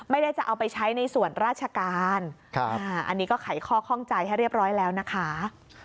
ไม่ได้จะเอาไปใช้ในส่วนราชการอันนี้ก็ไขข้อข้องใจให้เรียบร้อยแล้วนะคะ